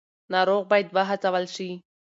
ناروغ باید وهڅول شي.